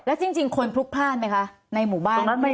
จริงคนพลุกพลาดไหมคะในหมู่บ้าน